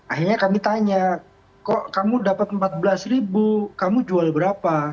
akhirnya kami tanya kok kamu dapat rp empat belas ribu kamu jual berapa